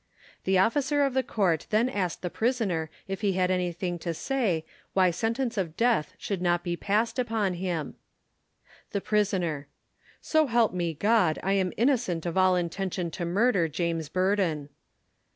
The officer of the court then asked the prisoner if he had anything thing to say why sentence of death should not be passed upon him? The Prisoner: So help me God I am innocent of all intention to murder James Burdon.